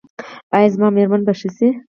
ایا زما میرمن به ښه شي؟